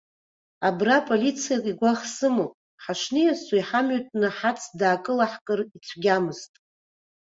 Абра полицаик игәаӷ сымоуп, ҳашниасуа иҳамҩатәны ҳац даакылаҳкыр ицәгьамызт.